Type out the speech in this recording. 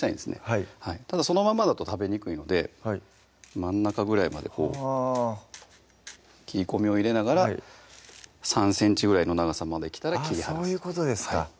はいただそのままだと食べにくいので真ん中ぐらいまでこう切り込みを入れながら３ｃｍぐらいの長さまで来たら切り離すそういうことですか